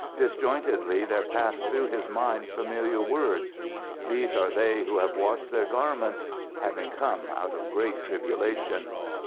Disjointedly there passed through his mind familiar words "these are they who have washed their garments having come out of great tribulation."